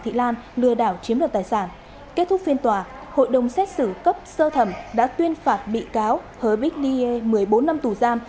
hội đồng xét xử cấp sơ thẩm đã tuyên phạt bị cáo hờ bích niê một mươi bốn năm tù giam